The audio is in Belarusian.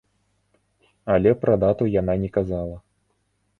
Але пра дату яна не казала.